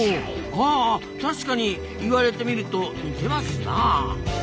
あ確かに言われてみると似てますなあ。